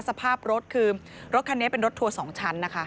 สภาพรถคือรถคันนี้เป็นรถทัวร์๒ชั้นนะคะ